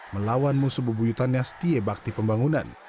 melawan musuh buhuyutannya setiai bakti pembangunan